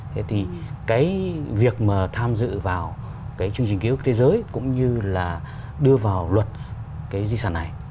thế thì cái việc mà tham dự vào cái chương trình ký ức thế giới cũng như là đưa vào luật cái di sản này